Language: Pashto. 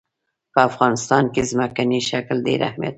په افغانستان کې ځمکنی شکل ډېر اهمیت لري.